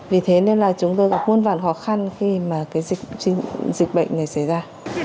vì thế nên là chúng tôi gặp nguồn vạn khó khăn khi mà dịch bệnh này xảy ra